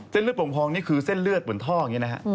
เส้นเลือดปลงพองนี่คือเส้นเลือดบนท่องี้นะครับ